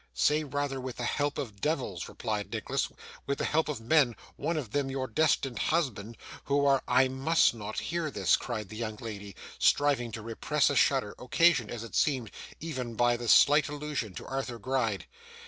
'Say rather with the help of devils,' replied Nicholas, 'with the help of men, one of them your destined husband, who are ' 'I must not hear this,' cried the young lady, striving to repress a shudder, occasioned, as it seemed, even by this slight allusion to Arthur Gride.